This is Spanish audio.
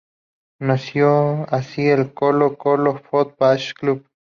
Nació así el Colo-Colo Foot-Ball Club.